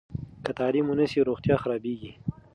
که تعلیم ونه سي، روغتیا خرابېږي.